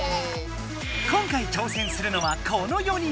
今回ちょう戦するのはこの４人！